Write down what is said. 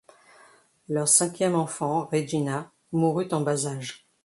Leur cinquième enfant, Regina, mourut en bas âge.